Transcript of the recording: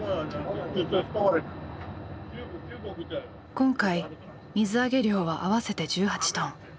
今回水揚げ量は合わせて１８トン。